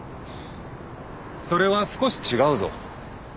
それは少し違うぞ。